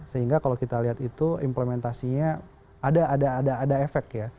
sehingga kalau kita lihat itu implementasinya ada efek ya